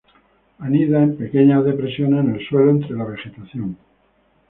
Anida en pequeñas depresiones en el suelo, entre la vegetación.